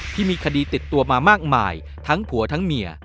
ที่มีคดีติดตัวมามากมายทั้งผัวทั้งเมีย